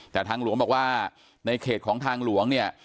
แต่ทางหลวงบอกว่าในเขตของทางหลวงเนี่ย